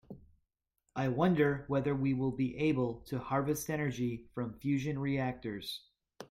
I wonder whether we will be able to harvest energy from fusion reactors.